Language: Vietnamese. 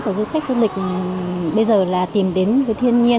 của du khách du lịch bây giờ là tìm đến thiên nhiên